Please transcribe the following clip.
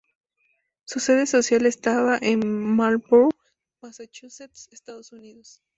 Su sede social estaba en Marlborough, Massachusetts, Estados Unidos.